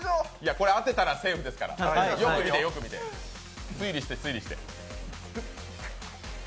これ当てたらセーフですから、よく見て、よく見て、推理して。